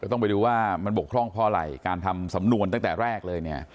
ต้องไปดูว่ามันบกพร่องเพราะอะไรการทำสำนวนตั้งแต่แรกเลยเนี่ย